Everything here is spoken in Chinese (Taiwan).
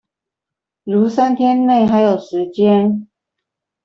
如三天内還有時間